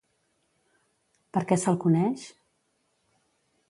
Per què se'l coneix?